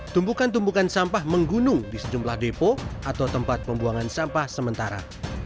tumbukan tumpukan sampah menggunung di sejumlah depo atau tempat pembuangan sampah sementara